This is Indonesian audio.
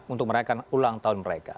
untuk merayakan ulang tahun mereka